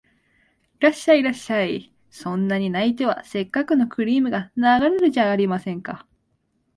いらっしゃい、いらっしゃい、そんなに泣いては折角のクリームが流れるじゃありませんか